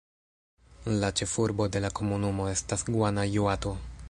La ĉefurbo de la komunumo estas Guanajuato.